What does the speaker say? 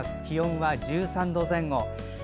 気温は１３度前後。